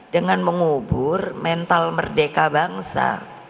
dengan mengubur mental merdeka bangsa